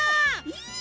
いい？